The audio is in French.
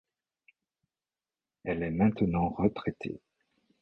Elle est maintenant retraitée.